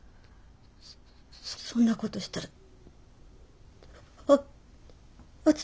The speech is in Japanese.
そんなことしたらあ篤人